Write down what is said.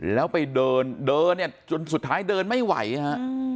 แล้วไปเดินจนสุดท้ายเดินไม่ไหวนะฮะ